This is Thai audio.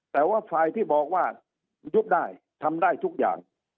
แต่ว่าฝ่ายที่บอกว่ายุบได้ทำได้ทุกอย่าง